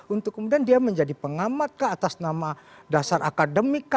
untuk kemudian dia menjadi pengamat ke atas nama dasar akademik